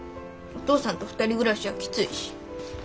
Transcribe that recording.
お父さんと２人暮らしはきついし。